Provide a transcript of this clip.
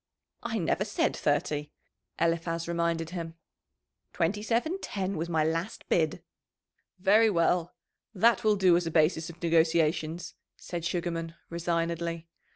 "I never said thirty," Eliphaz reminded him. "Twenty seven ten was my last bid." "Very well; that will do as a basis of negotiations," said Sugarman resignedly.